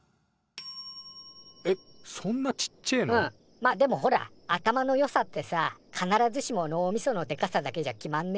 まあでもほら頭の良さってさ必ずしも脳みそのでかさだけじゃ決まんね